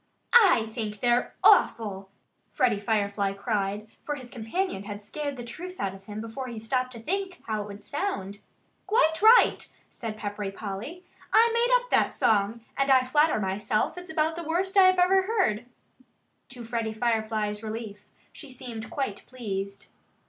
"I think they're awful!" Freddie Firefly cried; for his companion had scared the truth out of him before he stopped to think how it would sound. "Quite right!" said Peppery Polly. "I made up that song. And I flatter myself it's about the worst I ever heard." To Freddie Firefly's relief, she seemed quite pleased.